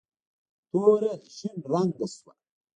توره شین رنګ شوه.